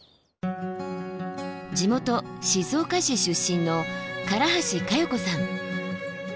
地元静岡市出身の唐橋佳代子さん。